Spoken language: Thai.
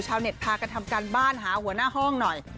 ชาวเน็ตพากันทำการบ้านหาหัวหน้าห้องหน่อย